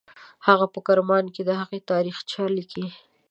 هغه په کرمان کې د هغوی تاریخچه لیکي.